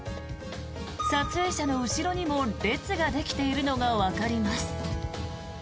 撮影者の後ろにも列ができているのがわかります。